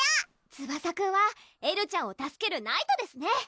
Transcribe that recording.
ツバサくんはエルちゃんを助けるナイトですね